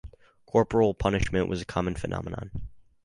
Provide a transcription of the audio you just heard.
Corporal punishment was a common phenomenon.